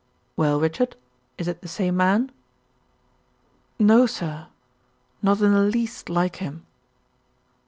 "Well, Richard, is it the same man?" "No, sir. Not in the least like him."